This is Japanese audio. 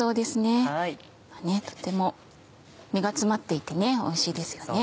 とても実が詰まっていておいしいですよね。